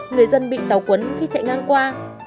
người dân bị tàu cuốn khi chạy ngang qua